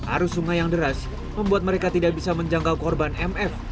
arus sungai yang deras membuat mereka tidak bisa menjangkau korban mf